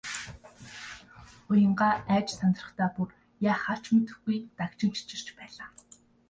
Уянгаа айж сандрахдаа бүр яахаа мэдэхгүй дагжин чичирч байлаа.